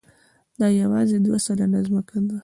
دا یواځې دوه سلنه ځمکه ده.